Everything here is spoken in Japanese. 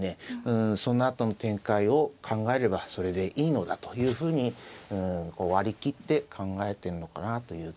そのあとの展開を考えればそれでいいのだというふうに割り切って考えてんのかなという気がしますね。